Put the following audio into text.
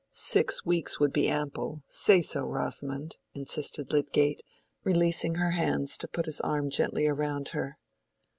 "Six weeks would be ample—say so, Rosamond," insisted Lydgate, releasing her hands to put his arm gently round her.